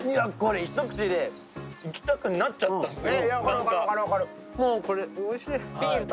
ひとくちでいきたくなっちゃったんですよ。